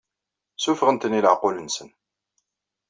Ssuffɣen-ten i leɛqul-nsen.